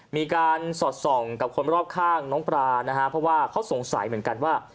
มีการสอดส่องกับคนรอบข้างน้องปลานะฮะเพราะว่าเขาสงสัยเหมือนกันว่า